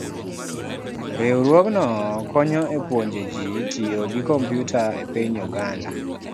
Riwruogno konyo e puonjo ji tiyo gi kompyuta e piny Uganda.